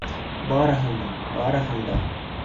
— Барыһын да, барыһын да...